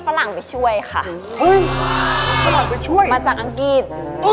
พลังไปช่วยมาจากอังกฤษ